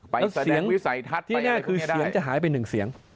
แล้วเสียงที่หน้าคือเสียงจะหายไปหนึ่งเสียง